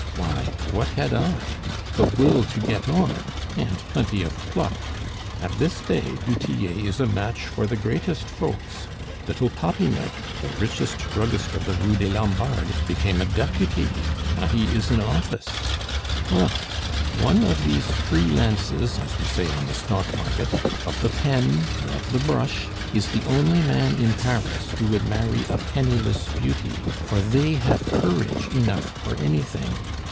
Why, what had I? The will to get on, and plenty of pluck. At this day du Tillet is a match for the greatest folks; little Popinot, the richest druggist of the Rue des Lombards, became a deputy, now he is in office. Well, one of these free lances, as we say on the stock market, of the pen, or of the brush, is the only man in Paris who would marry a penniless beauty, for they have courage enough for anything.